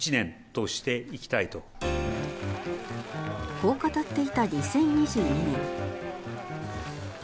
こう語っていた２０２２年。